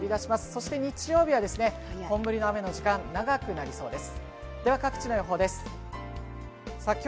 そして日曜日はですね、本降りの雨の時間長くなりそうです。